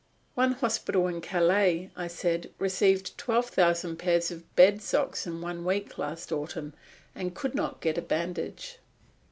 "One hospital in Calais," I said, "received twelve thousand pairs of bed socks in one week last autumn, and could not get a bandage."